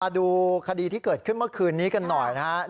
ดูคดีที่เกิดขึ้นเมื่อคืนนี้กันหน่อยนะครับ